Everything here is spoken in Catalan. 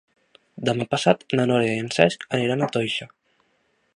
Demà passat na Nora i en Cesc aniran a Toixa.